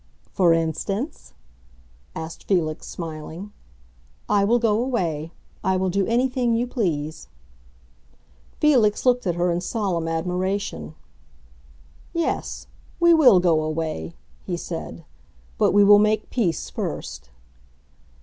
"For instance?" asked Felix, smiling. "I will go away. I will do anything you please." Felix looked at her in solemn admiration. "Yes, we will go away," he said. "But we will make peace first."